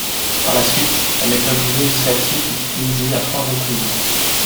Par la suite, la méthode législative fut utilisée à trois reprises.